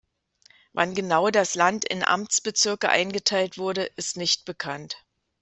Wann genau das Land in Amtsbezirke eingeteilt wurde, ist nicht bekannt.